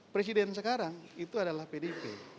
presiden sekarang itu adalah pdip